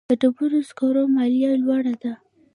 د ډبرو سکرو مالیه لوړه ده